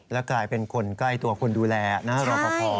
และกลายเป็นคนใกล้ตัวคนดูแลนะรอปภ